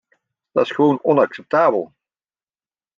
Dat is gewoon onacceptabel.